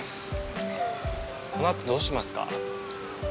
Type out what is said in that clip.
このあとどうしますか？